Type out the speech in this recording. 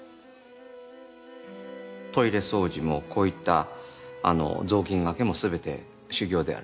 トイレ掃除もこういった雑巾がけもすべて修行であると。